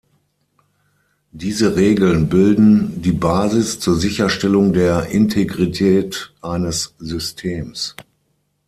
Diese Regeln bilden die Basis zur Sicherstellung der Integrität eines Systems.